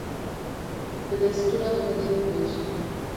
bi destûra Xwedê bibêjim